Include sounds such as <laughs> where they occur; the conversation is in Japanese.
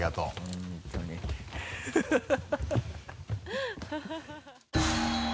ハハハ <laughs>